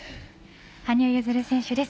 羽生結弦選手です。